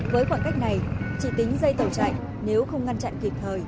với khoảng cách này chỉ tính dây tàu chạy nếu không ngăn chặn kịp thời